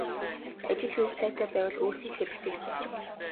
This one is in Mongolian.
Ажил үйл сайтай байвал өөрт нь л хэрэгтэйсэн.